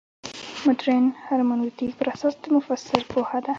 مډرن هرمنوتیک پر اساس د مفسر پوهه ده.